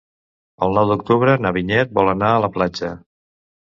El nou d'octubre na Vinyet vol anar a la platja.